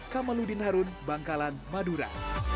kamaludin harun bangkalan madura